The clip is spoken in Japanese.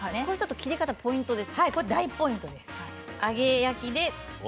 切り方のポイントです。